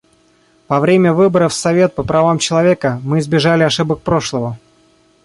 Во время выборов в Совет по правам человека мы избежали ошибок прошлого.